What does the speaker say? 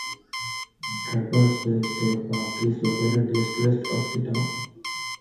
Trappers Bay State Park is located just west of the town.